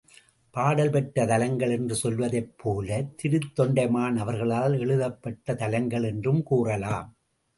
பாடல் பெற்ற தலங்கள் என்று சொல்வதைப் போல, திரு தொண்டைமான் அவர்களால் எழுதப்பட்ட தலங்கள் என்றும் கூறலாம்.